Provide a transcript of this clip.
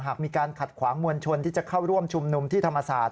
หากมีการขัดขวางมวลชนที่จะเข้าร่วมชุมนุมที่ธรรมศาสต